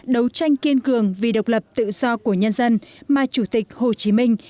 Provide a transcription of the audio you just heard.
đấu tranh kiên cường vì độc lập tự do của nhân dân mà chủ tịch hồ chí minh